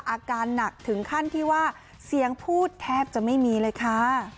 อาการหนักถึงขั้นที่ว่าเสียงพูดแทบจะไม่มีเลยค่ะ